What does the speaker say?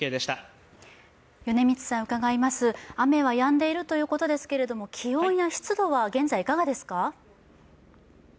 雨はやんでいるということですけれども気温や湿度は現在いかがですか？